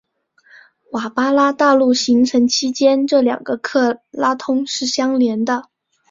瓦巴拉大陆形成期间这两个克拉通是相连的。